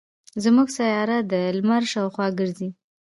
زمونږ سیاره د لمر شاوخوا ګرځي.